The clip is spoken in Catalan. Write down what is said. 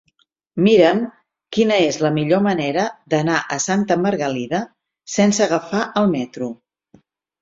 Mira'm quina és la millor manera d'anar a Santa Margalida sense agafar el metro.